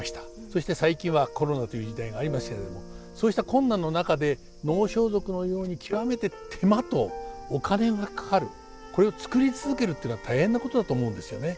そして最近はコロナという時代がありますけれどもそうした困難の中で能装束のように極めて手間とお金がかかるこれを作り続けるっていうのは大変なことだと思うんですよね。